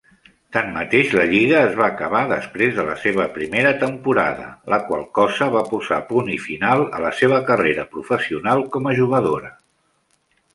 Tanmateix, la lliga es va acabar després de la seva primera temporada, la qual cosa va posar punt i final a la seva carrera professional com a jugadora.